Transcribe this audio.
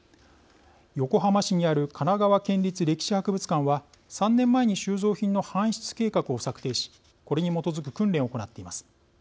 横浜市にある神奈川県立歴史博物館は３年前に収蔵品の搬出計画を策定しこれに基づく訓練を行っています。